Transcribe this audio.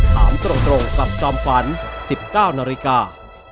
ถามตรงกับจอมขวัญ๑๙นาฬิกา